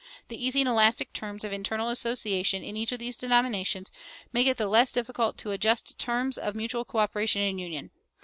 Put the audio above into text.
The easy and elastic terms of internal association in each of these denominations make it the less difficult to adjust terms of mutual coöperation and union.